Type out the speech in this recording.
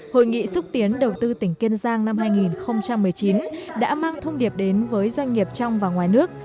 hội nghị xúc tiến đầu tư tỉnh kiên giang năm hai nghìn một mươi chín đã mang thông điệp đến với doanh nghiệp trong và ngoài nước